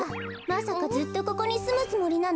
まさかずっとここにすむつもりなの？